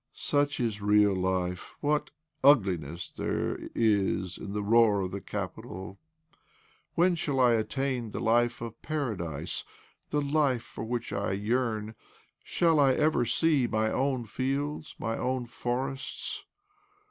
" Such is real life ! What ugliness there is in the roar of the capital ! When shall I attain the life of paradise— the life for which I yearn? Shall I ever see my own fields, my own forests